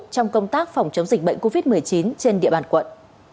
trong công tác phòng chống dịch bệnh covid một mươi chín trên địa bàn quận